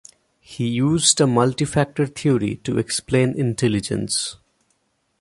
He used a multi-factor theory to explain intelligence.